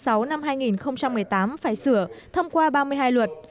năm hai nghìn một mươi tám phải sửa thông qua ba mươi hai luật